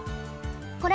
これ。